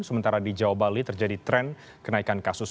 sementara di jawa bali terjadi tren kenaikan kasus